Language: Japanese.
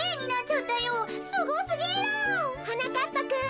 ・はなかっぱくん。